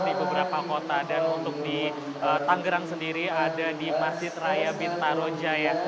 di beberapa kota dan untuk di tangerang sendiri ada di masjid raya bintarojaya